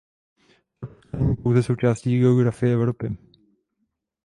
Srbsko není pouze součástí geografie Evropy.